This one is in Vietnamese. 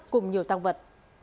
cùng nhiều tăng vật